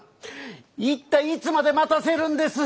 一体いつまで待たせるんです？